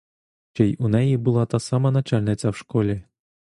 Чи й у неї була та сама начальниця в школі?